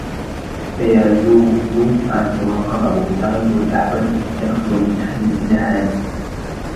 فَيَزُولُ عَنْهُ الْغَضَبُ بِتَغَيُّرِ الْأَحْوَالِ وَالتَّنَقُّلِ مِنْ حَالٍ إلَى حَالٍ